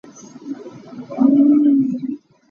Mei ka kau lai.